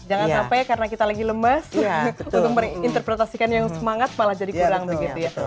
jangan sampai karena kita lagi lemas untuk menginterpretasikan yang semangat malah jadi kurang begitu ya